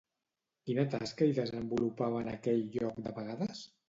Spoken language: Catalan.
Quina tasca hi desenvolupava en aquell lloc de vegades?